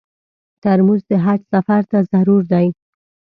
ترموز د حج سفر ته ضرور دی.